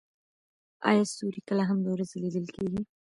ایا ستوري کله هم د ورځې لیدل کیږي؟